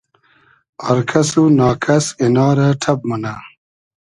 آر کئس و نا کئس اینا رۂ ݖئب مونۂ